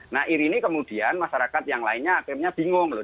nah irini kemudian masyarakat yang lainnya akhirnya bingung loh